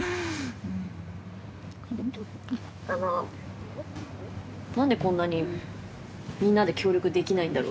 あの何でこんなにみんなで協力できないんだろう